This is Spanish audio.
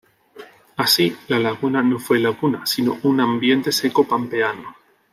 Así, la laguna no fue laguna, sino un ambiente seco pampeano.